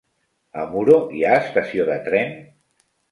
A Muro hi ha estació de tren?